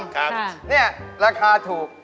๕๐๐กรัมราคาถูก